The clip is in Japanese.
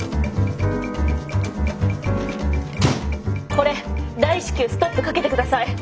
これ大至急ストップかけて下さい。